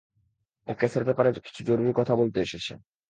ও কেসের ব্যাপারে কিছু জরুরি কথা বলতে এসেছে।